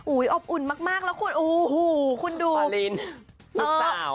อุ๊ยอบอุ่นมากแล้วควรอู๋คุณดู